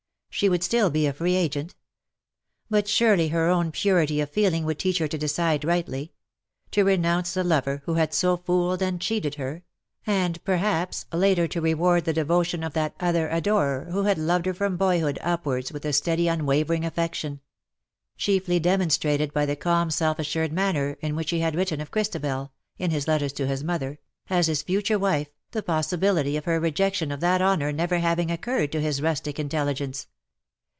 She woula still be a free agent. But surely her own purity of feeling would teach her to decide rightly — to renounce the lover who had so fooled LE SECRET DE POLICHINELLE. SJ45 and cheated her — and^ perhaps, later to reward the devotion of that other adorer who had loved her from boyhood upwards with a steady unwavering affection — chiefly demonstrated by the cairn self assured manner in which he had written of Chris tabel — in his letters to his mother — as his future wife, the possibility of her rejection of that honour never having occurred to his rustic intelligence.